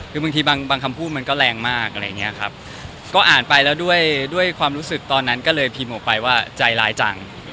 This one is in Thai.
คือบางทีบางคำพูดมันก็แรงมากอะไรอย่างเงี้ยครับก็อ่านไปแล้วด้วยด้วยความรู้สึกตอนนั้นก็เลยพิมพ์ออกไปว่าใจร้ายจัง